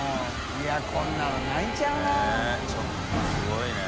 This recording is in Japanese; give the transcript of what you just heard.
いこんなの泣いちゃうな。